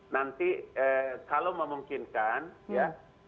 nanti kalau memungkinkan ya